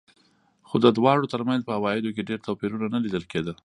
خو د دواړو ترمنځ په عوایدو کې ډېر توپیر نه لیدل کېده.